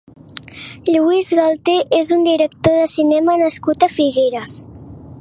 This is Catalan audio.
Lluís Galter és un director de cinema nascut a Figueres.